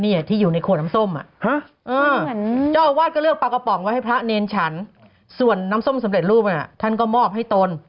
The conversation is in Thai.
เนี่ยที่อยู่ในขวดน้ำส้มเจ้าอาวาสก็เลือกปลากระป๋องไว้ให้พระเนรฉันส่วนน้ำส้มสำเร็จรูปท่านก็มอบให้ตน